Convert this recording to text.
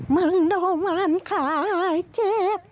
มึงดูมันขาหายเจ็บ